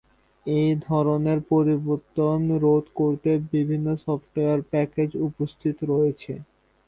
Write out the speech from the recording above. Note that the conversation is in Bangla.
এই ধরনের পরিবর্তন রোধ করতে বিভিন্ন সফ্টওয়্যার প্যাকেজ উপস্থিত রয়েছে।